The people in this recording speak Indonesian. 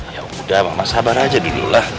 ya udah mama sabar aja dulu lah